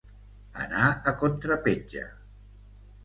Anar a contrapetja.